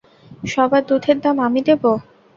সবার দুধের দাম আমি দেবো।